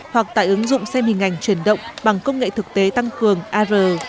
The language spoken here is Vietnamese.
hoặc tại ứng dụng xem hình ảnh truyền động bằng công nghệ thực tế tăng cường ar